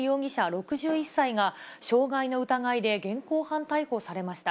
６１歳が、傷害の疑いで現行犯逮捕されました。